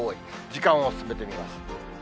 時間を進めてみます。